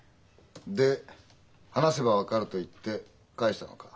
で「話せば分かる」と言って帰したのか？